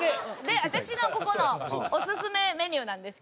私のここのオススメメニューなんですけど。